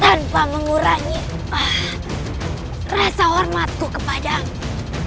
tanpa mengurangi rasa hormatku kepada aku